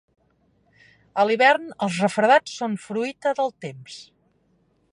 A l'hivern, els refredats són fruita del temps.